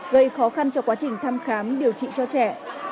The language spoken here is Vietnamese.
gây khó khăn cho quá trình thăm khám điều trị cho trẻ